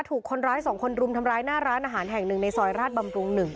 ถูกคนร้าย๒คนรุมทำร้ายหน้าร้านอาหารแห่งหนึ่งในซอยราชบำรุง๑